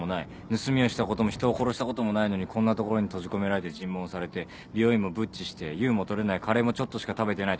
盗みをしたことも人を殺したこともないのにこんな所に閉じ込められて尋問されて美容院もぶっちして優も取れないカレーもちょっとしか食べてない